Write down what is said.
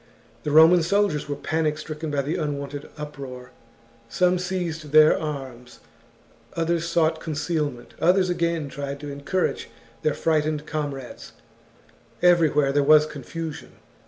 The Roman soldiers were panic stricken by the unwonted uproar; some seized their arms, others sought concealment, others again tried to en courage their frightened comrades ; everywhere there was confusion.